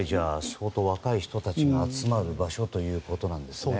相当若い人たちが集まる場所という感じなんですね。